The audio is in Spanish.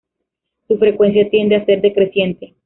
Su frecuencia tiende a ser decreciente.